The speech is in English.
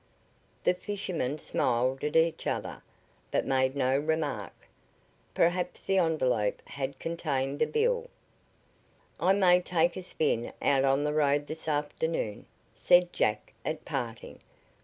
The fishermen smiled at each other, but made no remark. Perhaps the envelope had contained a bill. "I may take a spin out on the road this afternoon," said Jack at parting.